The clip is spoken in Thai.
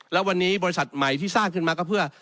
แล้ววันนี้บริษัทใหม่ที่สร้างขึ้นมาก็เพื่อ